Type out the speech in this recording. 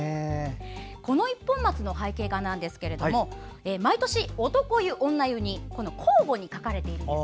この一本松の背景画ですが毎年、男湯、女湯に交互に描かれているんです。